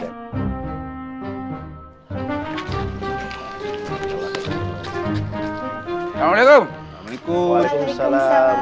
assalamualaikum waalaikumsalam waalaikumsalam